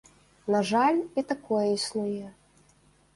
На жаль, і такое існуе.